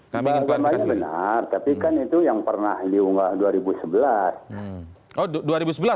jawabannya benar tapi kan itu yang pernah diunggah dua ribu sebelas